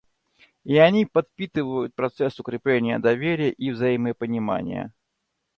И они подпитывают процесс укрепления доверия и взаимопонимания.